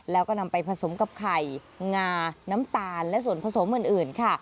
แล้วก็นำไปผสมกับไข่งาน้ำตาลและส่วนผสมอื่นค่ะ